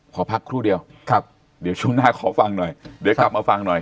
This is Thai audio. ขอพักครู่เดียวครับเดี๋ยวช่วงหน้าขอฟังหน่อยเดี๋ยวกลับมาฟังหน่อย